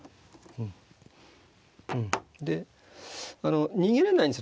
うんで逃げれないんですね